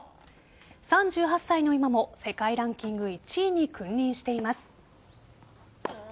３８歳の今も世界ランキング１位に君臨しています。